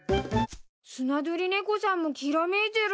スナドリネコさんもきらめいてるの？